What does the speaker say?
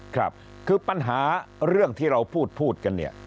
ครับคือปัญหาเรื่องที่เราพูดกันเนี่ย